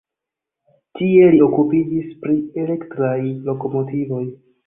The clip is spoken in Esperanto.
Tie li okupiĝis pri elektraj lokomotivoj.